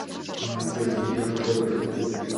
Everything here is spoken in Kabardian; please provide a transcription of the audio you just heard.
Мацӏэ дия хуэдэ.